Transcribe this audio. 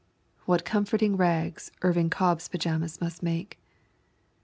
(What comforting rags Irvin Cobb's pajamas must make!)